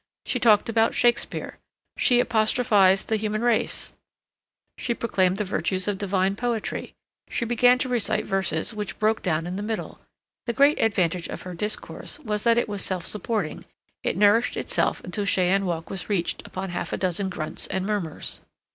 She talked about Shakespeare, she apostrophized the human race, she proclaimed the virtues of divine poetry, she began to recite verses which broke down in the middle. The great advantage of her discourse was that it was self supporting. It nourished itself until Cheyne Walk was reached upon half a dozen grunts and murmurs.